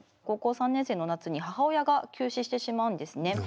高校３年生の夏に母親が急死してしまうんですね。